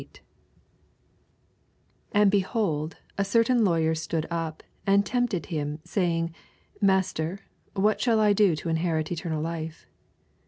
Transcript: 25 And, behold, a certain Lawyer Btood up, and tempted him, saying, Maeter, what shall I do to inherit etemid life